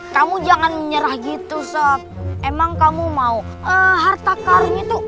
kamu jangan menyerah gitu sop emang kamu mau harta karun itu